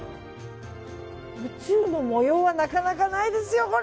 宇宙の模様はなかなかないですよ。